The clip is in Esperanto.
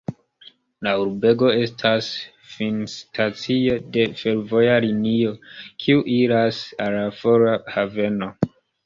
La urbego estas finstacio de fervoja linio, kiu iras al la fora haveno.